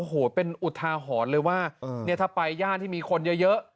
โอ้โหเป็นอุทาหรณ์เลยว่าเนี่ยถ้าไปย่านที่มีคนเยอะ